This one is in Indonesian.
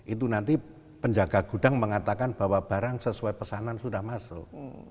itu nanti penjaga gudang mengatakan bahwa barang sesuai pesanan sudah masuk